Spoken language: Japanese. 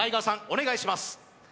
お願いします